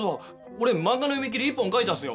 俺漫画の読み切り１本描いたんすよ。